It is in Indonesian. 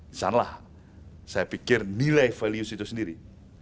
misalnya saya pikir nilai value situ sendiri